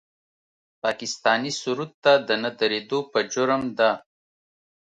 پاکستاني سرود ته د نه درېدو په جرم د